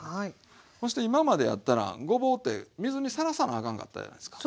そして今までやったらごぼうって水にさらさなあかんかったやないですか。